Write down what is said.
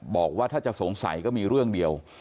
บอกว่าถ้าจะสงสัยก็มีเรื่องเดียว